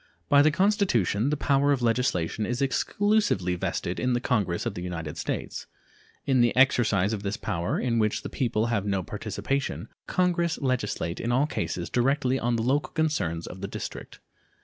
By the Constitution the power of legislation is exclusively vested in the Congress of the United States. In the exercise of this power, in which the people have no participation, Congress legislate in all cases directly on the local concerns of the District.